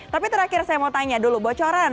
tapi terakhir saya mau tanya dulu bocoran